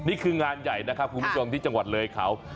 นี่คืองานใหญ่นะครับคุณผู้ชมที่จังหวัดเลยเขา